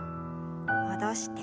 戻して。